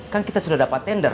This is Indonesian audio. kan kita sudah dapat tender